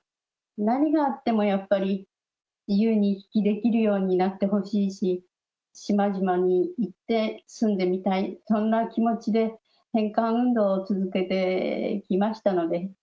何があってもやっぱり自由に行き来できるようになってほしいし、島々に行って住んでみたい、そんな気持ちで返還運動を続けてきましたので。